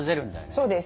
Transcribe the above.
そうです。